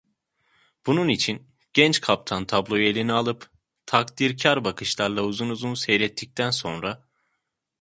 Bunun için, genç kaptan tabloyu eline alıp takdirkar bakışlarla uzun uzun seyrettikten sonra: